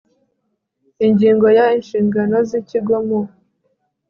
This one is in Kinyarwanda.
ingingo ya inshingano z ikigo mu